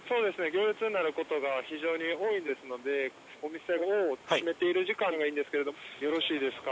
行列になる事が非常に多いですのでお店を閉めている時間がいいんですけれどもよろしいですか？